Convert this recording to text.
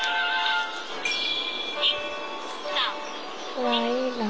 うわいいな。